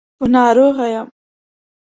په ناروغه يم.